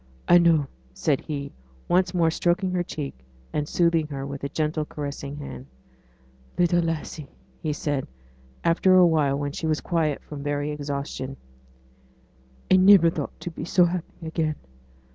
'I know,' said he, once more stroking her cheek, and soothing her with gentle, caressing hand. 'Little lassie!' he said, after a while when she was quiet from very exhaustion, 'I niver thought to be so happy again.